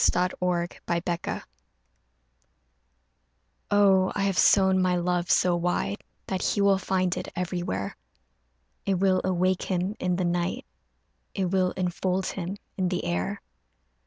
AFTER PARTING OH I have sown my love so wide That he will find it everywhere; It will awake him in the night, It will enfold him in the air.